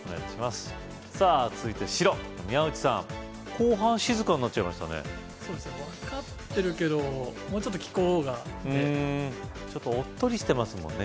さぁ続いて白・宮内さん後半静かになっちゃいましたね分かってるけどもうちょっと聞くほうがちょっとおっとりしてますもんね